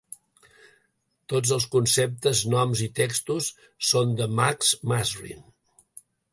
Tots els conceptes, noms i textos són de Max Masri.